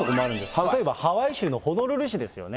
例えばハワイ州のホノルル市ですよね。